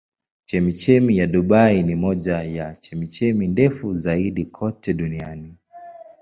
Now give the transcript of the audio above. Chemchemi ya Dubai ni moja ya chemchemi ndefu zaidi kote duniani.